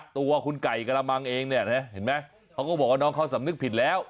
ตัวคุณไก่กระลาวมังเองเขาก็บอกว่าน้องเขาสำนึกผิดแล้ว